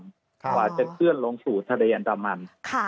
กว่าจะเคลื่อนลงสู่ทะเลอันดามัน